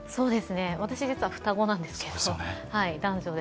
私、実は双子なんですけど、男女で。